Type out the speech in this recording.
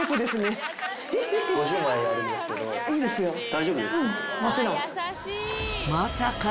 大丈夫ですか？